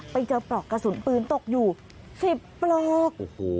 ปลอกกระสุนปืนตกอยู่๑๐ปลอก